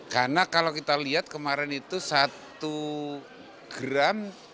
karena kalau kita lihat kemarin itu satu gram